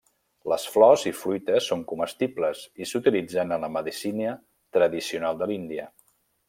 Les flors i fruites són comestibles i s'utilitzen en la medicina tradicional de l'Índia.